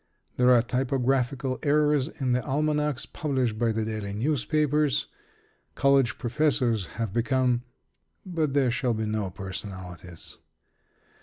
There are typographical errors in the almanacs published by the daily newspapers. College professors have become But there shall be no personalities.